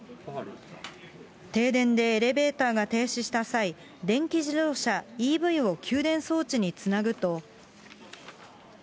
停電でエレベーターが停止した際、電気自動車・ＥＶを給電装置につなぐと。